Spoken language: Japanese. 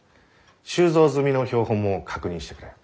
収蔵済みの標本も確認してくれ。